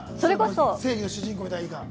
正義の主人公がいいのか。